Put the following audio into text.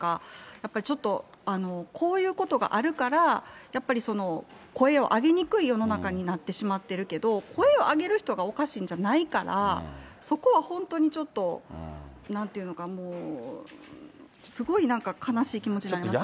やっぱりちょっとこういうことがあるから、やっぱり声を上げにくい世の中になってしまってるけど、声を上げる人がおかしいんじゃないから、そこは本当にちょっとなんて言うのか、もうすごいなんか、悲しい気持ちになりますよね。